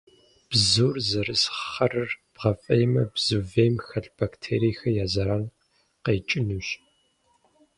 Бзур зэрыс хъарыр бгъэфӏеймэ, бзу вейм хэлъ бактериехэм я зэран къекӏынущ.